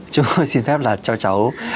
chúng tôi xin phép là cho cháu